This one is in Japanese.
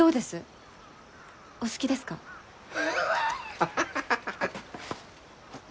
ハハハハハハッ。